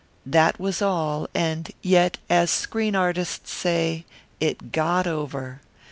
That was all, and yet, as screen artists say, it got over.